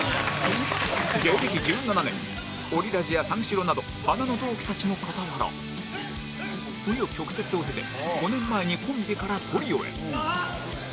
芸歴１７年オリラジや三四郎など華の同期たちの傍ら紆余曲折を経て５年前にコンビからトリオへ